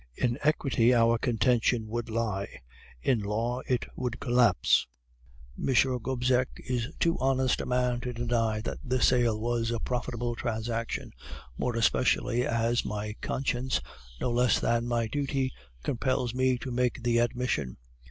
In equity our contention would lie, in law it would collapse. M. Gobseck is too honest a man to deny that the sale was a profitable transaction, more especially as my conscience, no less than my duty, compels me to make the admission.